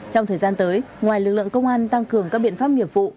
trong thời gian tới ngoài lực lượng công an tăng cường các biện pháp nghiệp vụ